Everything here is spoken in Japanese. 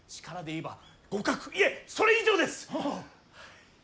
力で言えば互角いえそれ以上です。